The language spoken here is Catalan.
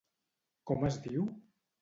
Com es diu?